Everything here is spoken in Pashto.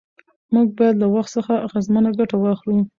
موږ باید له وخت څخه اغېزمنه ګټه واخلو